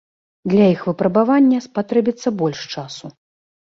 Для іх выпрабавання спатрэбіцца больш часу.